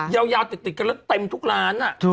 ยาวติดกันแล้วเต็มทุกร้าน